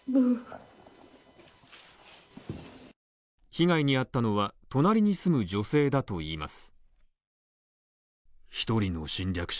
被害に遭ったのは、隣に住む女性だといいます。